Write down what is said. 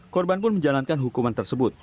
korban pun menjalankan hukuman tersebut